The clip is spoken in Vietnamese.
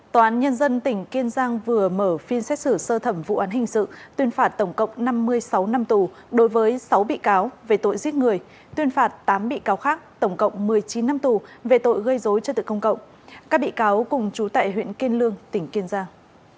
tòa án nhân dân tỉnh kiên giang vừa mở phiên xét xử sơ thẩm vụ án hình sự tuyên phạt tổng cộng năm mươi sáu năm tù đối với sáu bị cáo về tội giết người tuyên phạt tám bị cáo khác tổng cộng một mươi chín năm tù về tội gây dối trật tự công cộng các bị cáo cùng chú tại huyện kiên lương tỉnh kiên giang